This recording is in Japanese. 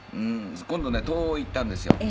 今度ね東欧行ったんですよ